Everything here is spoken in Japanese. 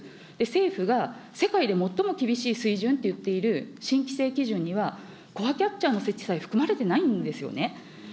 政府が世界で最も厳しい水準って言っている新規制基準には、コアキャッチャーの設置さえ含まれていないんですよね。